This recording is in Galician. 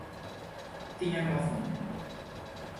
Tiñan razón.